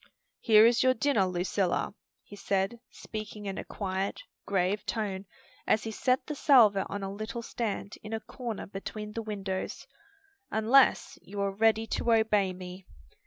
"Here is your dinner, Lucilla," he said, speaking in a quiet, grave tone, as he set the salver on a little stand in a corner between the windows; "unless you are ready to obey me.